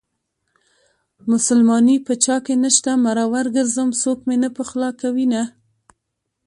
مسلماني په چاكې نشته مرور ګرځم څوك مې نه پخولاكوينه